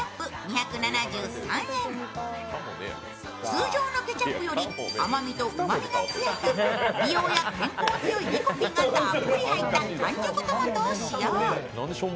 通常のケチャップより甘味とうまみが強く、美容や健康によいリコピンがたっぷり入った完熟トマトを使用。